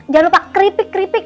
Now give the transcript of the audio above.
jangan lupa keripik keripik